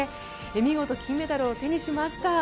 見事金メダルを手にしました。